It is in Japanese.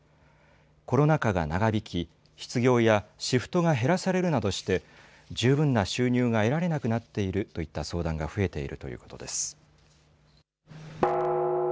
コロナ禍が長引き失業やシフトが減らされるなどして十分な収入が得られなくなっているといった相談が増えているということです。